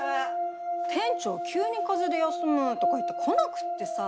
店長急に風邪で休むとかいって来なくってさ。